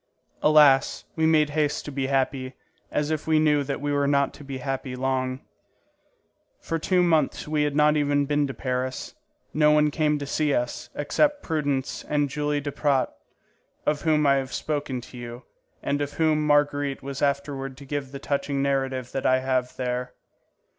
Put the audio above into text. Alas, we made haste to be happy, as if we knew that we were not to be happy long. For two months we had not even been to Paris. No one came to see us, except Prudence and Julie Duprat, of whom I have spoken to you, and to whom Marguerite was afterward to give the touching narrative that I have there.